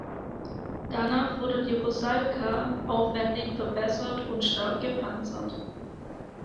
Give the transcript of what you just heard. Danach wurde die "Rusalka" aufwendig verbessert und stark gepanzert.